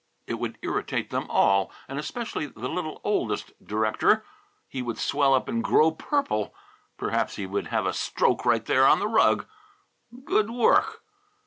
It would irritate them all, and especially the little oldest director. He would swell up and grow purple. Perhaps he would have a stroke right there on the rug. Good work!